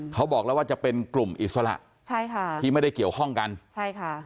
เขาบอกแล้วว่าจะเป็นกลุ่มอิสระใช่ค่ะที่ไม่ได้เกี่ยวข้องกันใช่ค่ะ